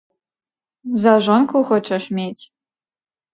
За жонку хочаш мець?